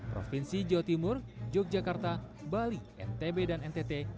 provinsi jawa timur yogyakarta bali ntb dan ntt